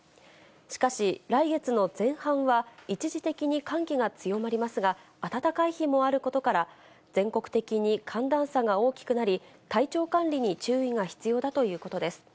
しかし、来月の前半は、一時的に寒気が強まりますが、暖かい日もあることから、全国的に寒暖差が大きくなり、体調管理に注意が必要だということです。